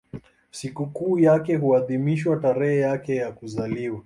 Sikukuu yake huadhimishwa tarehe yake ya kuzaliwa.